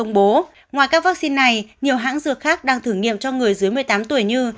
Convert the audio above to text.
ngoài các vaccine này nhiều hãng dược khác đang thử nghiệm cho người dưới một mươi tám tuổi như